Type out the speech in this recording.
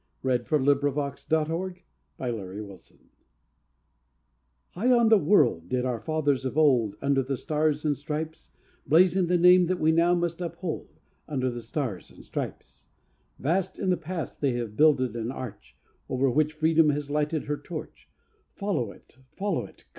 May, 1898. UNDER THE STARS AND STRIPES I High on the world did our fathers of old, Under the Stars and Stripes, Blazon the name that we now must uphold, Under the Stars and Stripes. Vast in the past they have builded an arch, Over which Freedom has lighted her torch Follow it! follow it!